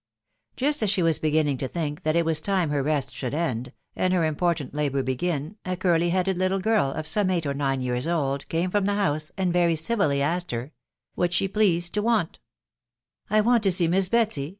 Just as she was beginning to tinnk. that it was time ner Test should end, and her important labour begin, a curly headed little girl, of some eight or nine years old, came from the house, and very civilly asked her "What she pleased to want*'* " I want to sea* Miss Betsy